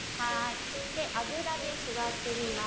あぐらで座ってみます。